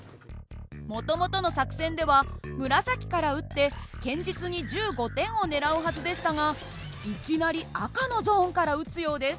もともとの作戦では紫から撃って堅実に１５点を狙うはずでしたがいきなり赤のゾーンから撃つようです。